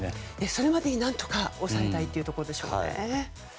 それまでに何とか抑えたいところでしょうかね。